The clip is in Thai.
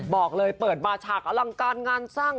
บอกเลยเปิดมาฉากอลังการงานสร้าง